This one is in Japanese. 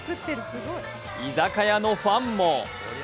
居酒屋のファンも。